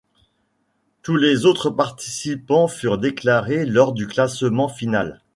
Tous les autres participants furent déclarés lors du classement final.